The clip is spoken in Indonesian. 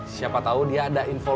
siapa tau dia ada info lowongan